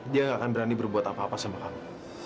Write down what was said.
dia tidak akan berani berbuat apa apa sama kamu